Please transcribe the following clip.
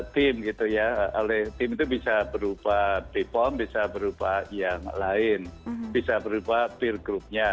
tim itu bisa berupa people bisa berupa yang lain bisa berupa peer groupnya